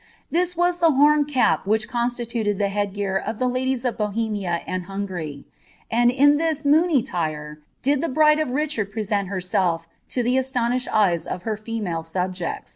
This was tt\t homed cap which constituted the head gear of the ladies of Bithmni and Hungary ; and in iliis " moony tire" did the bride of Kiehard jn sent herself to the astonished eyes of her female subjecu.'